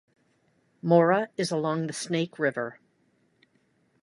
Mora is along the Snake River.